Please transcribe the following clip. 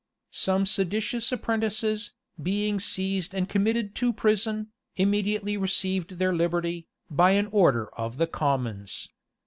[] Some seditious apprentices, being seized and committed to prison, immediately received their liberty, by an order of the commons.